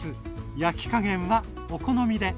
焼き加減はお好みで。